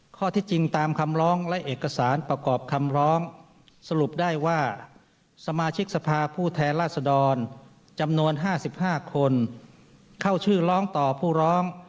ข้อที่จริงตามคำร้องและเอกสารประกอบคำร้องสรุปได้ว่าสมาชิกสภาผู้แทนราษดรจำนวน๕๕คนเข้าชื่อร้องต่อผู้ร้อง